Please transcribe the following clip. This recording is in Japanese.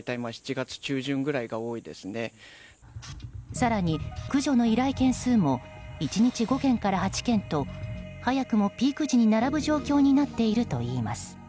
更に、駆除の依頼件数も１日５件から８件と早くもピーク時に並ぶ状況になっているといいます。